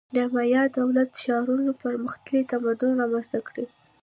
د مایا دولت-ښارونو پرمختللی تمدن رامنځته کړ.